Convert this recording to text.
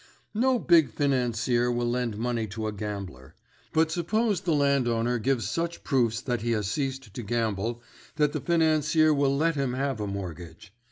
"No big financier will lend money to a gambler. But suppose the landowner gives such proofs that he has ceased to gamble that the financier will let him have a mortgage.